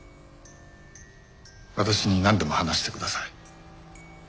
私になんでも話してください。